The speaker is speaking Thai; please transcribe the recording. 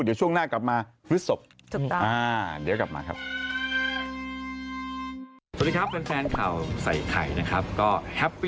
เดี๋ยวช่วงหน้ากลับมาพฤศพ